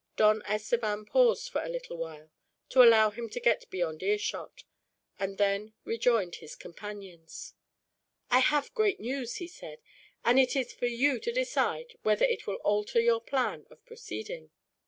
Don Estevan paused for a little while, to allow him to get beyond earshot, and then rejoined his companions. "I have great news," he said, "and it is for you to decide whether it will alter your plan of proceeding.